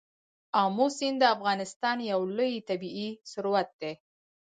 آمو سیند د افغانستان یو لوی طبعي ثروت دی.